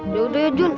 yaudah ya jun